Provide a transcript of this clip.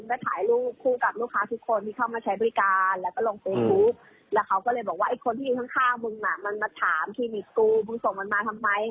ต้องวางให้ฟูดอะไรเลย